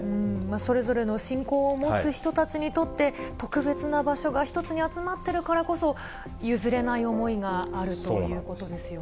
それぞれの信仰を持つ人たちにとって、特別な場所が１つに集まってるからこそ、譲れない思いがあるといそうなんですよね。